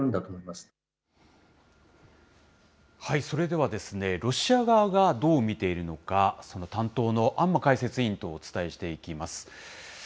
それでは、ロシア側がどう見ているのか、その担当の安間解説委員とお伝えしていきます。